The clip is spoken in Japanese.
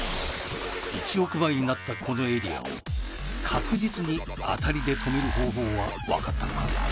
１億倍になったこのエリアを確実に当たりで止める方法はわかったのか？